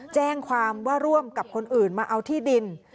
แจ้งความว่าร่วมกับคนอื่นมาเอาที่ดิน